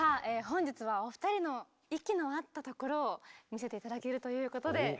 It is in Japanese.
本日はお二人の息の合ったところを見せて頂けるということで。